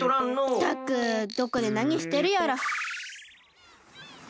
ったくどこでなにしてるやら。